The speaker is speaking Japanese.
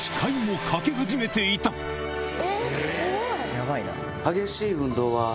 ヤバいな。